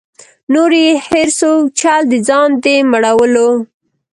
نور یې هېر سو چل د ځان د مړولو